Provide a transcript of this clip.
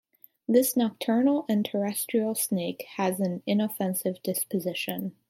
This nocturnal and terrestrial snake has an inoffensive disposition.